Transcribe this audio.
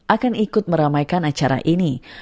akan ikut meramaikan acara ini